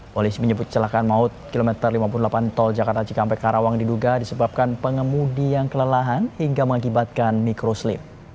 polisi menyebut celakaan maut kilometer lima puluh delapan tol jakarta cikampek karawang diduga disebabkan pengemudi yang kelelahan hingga mengakibatkan mikroslip